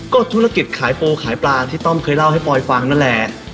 ก็ธุรกิจขายโปรขายปลาที่ต้อมเคยเล่าให้ปลอยฟังนั่นแหละ